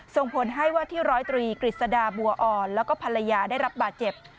ส่งผลให้ว่าที่ร้อยตรีกฤษฎาบัวอ่อนแล้วก็ภรรยาได้รับบาดเจ็บ